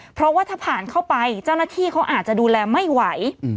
เพราะว่าถ้าผ่านเข้าไปเจ้าหน้าที่เขาอาจจะดูแลไม่ไหว